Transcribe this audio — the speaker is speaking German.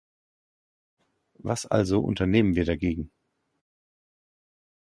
Was also unternehmen wir dagegen?